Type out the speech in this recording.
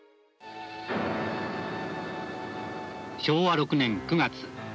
昭和６年９月。